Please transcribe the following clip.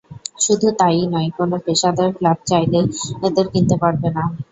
শুধু তা-ই নয়, কোনো পেশাদার ক্লাব চাইলেই এদের কিনতে পারবে না।